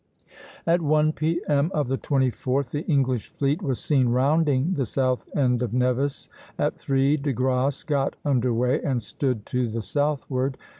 At one P.M. of the 24th the English fleet was seen rounding the south end of Nevis; at three De Grasse got under way and stood to the southward.